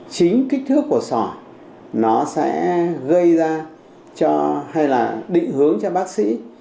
chính kích thước của sỏi nó sẽ gây ra cho hay là định hướng cho bác sĩ